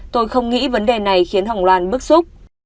tôi không nghĩ vấn đề này khiến hồng loan bức xúc